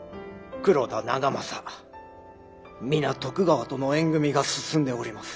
皆徳川との縁組みが進んでおります。